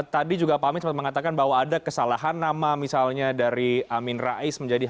tadi juga pak amin sempat mengatakan bahwa ada kesalahan nama misalnya dari amin rais menjadi